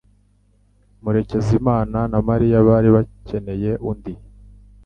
Murekezimana na Mariya bari bakeneye undi